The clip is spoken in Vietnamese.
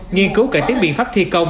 nghiên cứu cải tiến biện pháp thi công